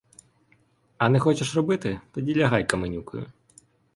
А не хочеш робити, — тоді лягай каменюкою!